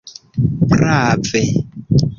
prave